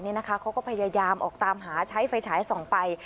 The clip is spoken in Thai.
เขาก็พยายามออกตามหาใช้ไฟฉายส่องไป